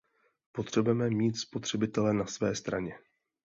Potřebujeme mít spotřebitele na své straně.